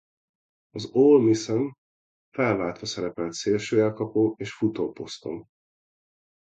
Az Ole Miss-en felváltva szerepelt szélső elkapó és futó poszton.